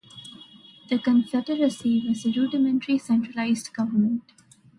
The confederacy was a rudimentary centralized government.